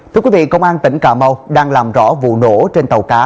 thưa quý vị công an tỉnh cà mau đang làm rõ vụ nổ trên tàu cá